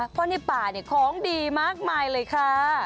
เพราะในป่าของดีมากมายเลยค่ะ